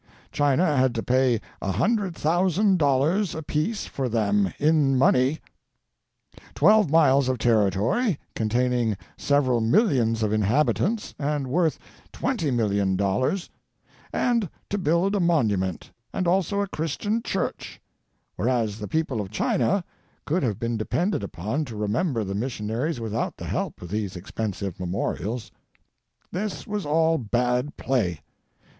China had to pay a hundred thousand dollars apiece for them, in money; twelve miles of territory, containing several millions of inhabitants and worth twenty million dollars ; and to build a monument, and also a Christian church; whereas the people of China could have been depended upon to remember the missionaries without the help of these expensive memorials. This was all bad play.